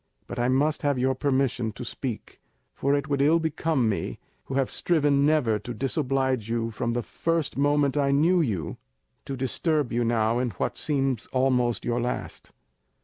But I must have your permission to speak; for it would ill become me, who have striven never to disoblige you from the first moment I knew you, to disturb you now in what seems almost your last."